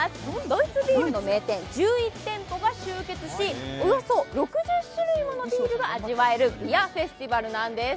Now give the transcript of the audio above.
ドイツビールの名店、１１店舗が集結し、およそ６０店舗の味が味わえるビアフェスティバルなんです。